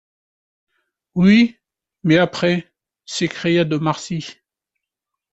Oui, mais après?... s’écria de Marsay.